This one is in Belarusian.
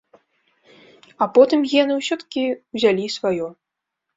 А потым гены ўсё-ткі ўзялі сваё.